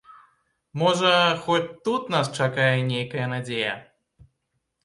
Можа, хоць тут нас чакае нейкая надзея.